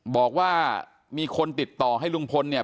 บอกว่ามีคนติดต่อให้ลุงพลเนี่ย